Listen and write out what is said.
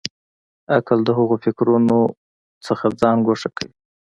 عقل د هغو فکرونو څخه ځان ګوښه کوي.